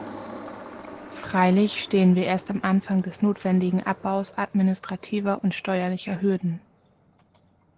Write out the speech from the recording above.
Freilich stehen wir erst am Anfang des notwendigen Abbaus administrativer und steuerlicher Hürden.